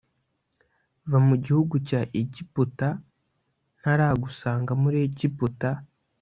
va mu gihugu cya Egiputa ntaragusanga muri Egiputa